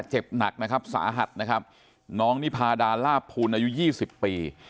เจ็บหนักนะครับสาหัสนะครับน้องนิพาดาลาภูลอายุยี่สิบปี